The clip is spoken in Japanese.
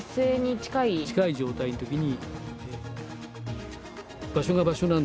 近い状態の時に。